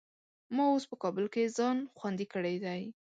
ما اوس په کابل کې ځان خوندي کړی دی.